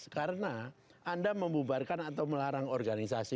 karena anda membubarkan atau melarang organisasi